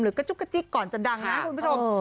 หรือก็จุ๊กจิ๊กก่อนจะดังนะคุณผู้ชม